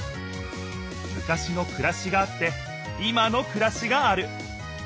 昔のくらしがあって今のくらしがある。